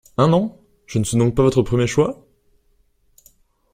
Un an? Je ne suis donc pas votre premier choix ?